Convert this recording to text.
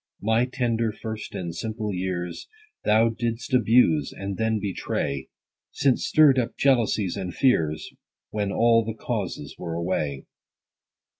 40 My tender, first, and simple years Thou didst abuse, and then betray ; Since stirr'dst up jealousies and fears, When all the causes were away.